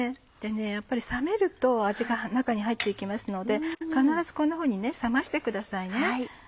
やっぱり冷めると味が中に入って行きますので必ずこんなふうに冷ましてくださいね。